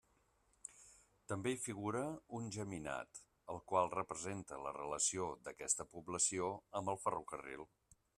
També hi figura un geminat, el qual representa la relació d'aquesta població amb el ferrocarril.